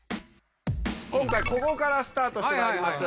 今回ここからスタートしてまいります。